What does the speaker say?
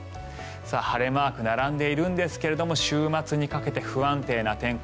晴れマークが並んでいますが週末にかけて不安定な天候。